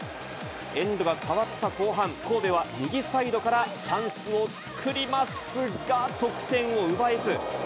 エンドが変わった後半、神戸は右サイドからチャンスを作りますが、得点を奪えず。